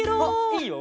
いいよ！